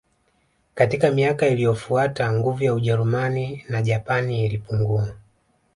Katika miaka iliyofuata nguvu ya Ujerumani na Japani ilipungua